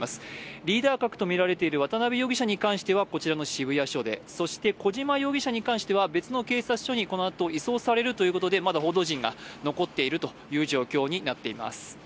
リーダー格とみられている渡辺容疑者に関してはこちらの渋谷署で、小島容疑者に関しては別の警察署にこのあと移送されるということで、まだ報道陣が残っているという状況になっています。